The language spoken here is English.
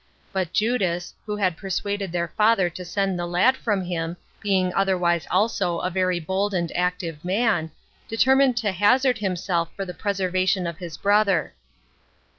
But Judas, who had persuaded their father to send the lad from him, being otherwise also a very bold and active man, determined to hazard himself for the preservation of his brother.